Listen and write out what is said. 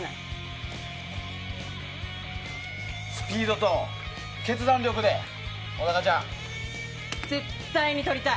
スピードと決断力で小高ちゃん！絶対にとりたい。